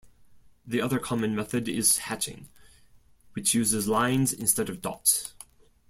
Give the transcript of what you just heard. The other common method is hatching, which uses lines instead of dots.